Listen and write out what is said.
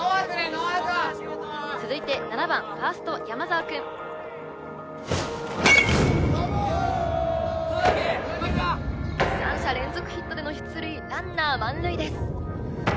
ノーアウト続いて７番ファースト山澤くん三者連続ヒットでの出塁ランナー満塁です